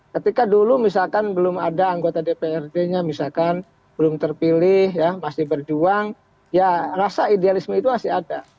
ketika dulu misalkan belum ada anggota dprd nya misalkan belum terpilih masih berjuang ya rasa idealisme itu masih ada